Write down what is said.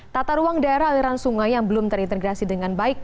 tata ruang daerah aliran sungai yang belum terintegrasi dengan baik